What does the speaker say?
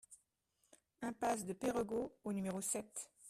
Impasse de Perregaux au numéro sept